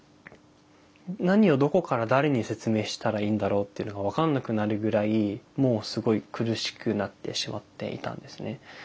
何をどこから誰に説明したらいいんだろうっていうのが分かんなくなるぐらいもうすごい苦しくなってしまっていたんですね。